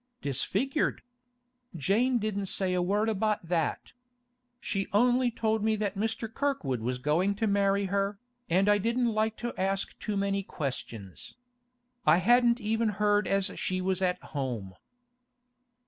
'Disfigured? Jane didn't say a word about that. She only told me that Mr. Kirkwood was going to marry her, and I didn't like to ask too many questions. I hadn't even heard as she was at home.